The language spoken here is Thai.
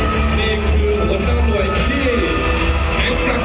เมื่อเวลาอันดับสุดท้ายมันกลายเป้าหมายเป้าหมาย